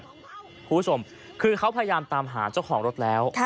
คุณผู้ชมคือเขาพยายามตามหาเจ้าของรถแล้ว